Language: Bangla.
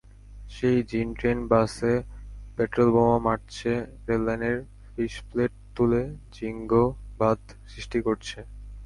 সেই জিন ট্রেন-বাসে পেট্রলবোমা মারছে, রেললাইনের ফিশপ্লেট তুলে জিঙ্গবাদ সৃষ্টি করছে।